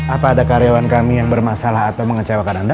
apa ada karyawan kami yang bermasalah atau mengecewakan anda